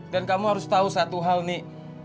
dan kamu harus tau satu hal nih